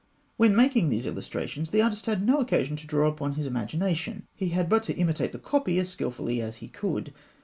When making these illustrations, the artist had no occasion to draw upon his imagination. He had but to imitate the copy as skilfully as he could.